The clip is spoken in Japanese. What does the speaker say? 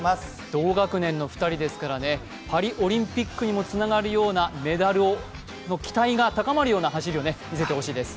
同学年の２人ですからね、パリオリンピックにつながるようなメダルの期待が高まるような走りを見せてほしいです。